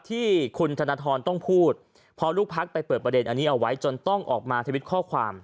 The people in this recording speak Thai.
ที่คุณธนทรต้องพูดพอลูกพักไปเปิดประเด็นอันนี้เอาไว้จนต้องออกมาทวิตข้อความ